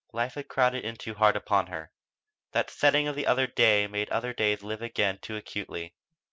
Life had crowded in too hard upon her, that setting of the other days made other days live again too acutely.